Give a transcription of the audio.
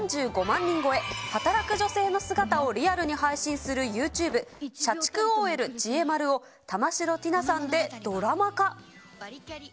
人超え、働く女性の姿をリアルに配信するユーチューブ、社畜ＯＬちえ丸を玉城ティナさんでドラマ化。